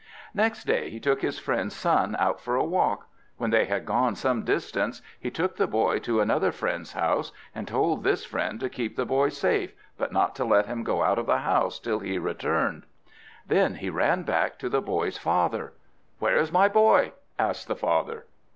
Next day he took his friend's son out for a walk. When they had gone some distance he took the boy to another friend's house, and told this friend to keep the boy safe, but not to let him go out of the house till he returned. Then he ran back to the boy's father. "Where is my boy?" asked the father.